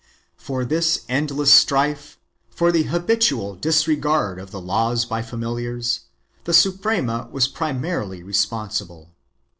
1 For this endless strife, for the habitual disregard of the laws by familiars, the Suprema was primarily responsible.